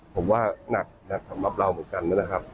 ผมว่าหนักสำหรับเราเหมือนกันนั่นแหละครับ